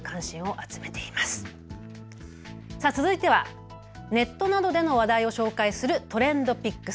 続いてはネットなどでの話題を紹介するＴｒｅｎｄＰｉｃｋｓ。